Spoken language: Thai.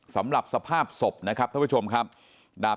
สำหรับสภาพศพท่านผู้ชมครับ